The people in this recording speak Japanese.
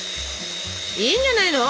いいんじゃないの？